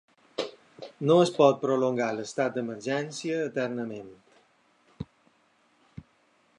No es pot prolongar l’estat d’emergència eternament.